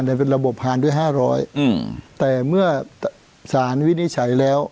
แต่เป็นระบบผ่านด้วยห้าร้อยอืมแต่เมื่อสารวินิจฉัยแล้ว